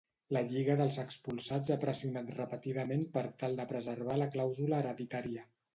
La Lliga dels Expulsats ha pressionat repetidament per tal de preservar la clàusula hereditària.